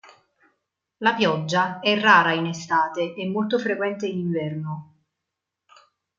La pioggia è rara in estate e molto frequente in inverno.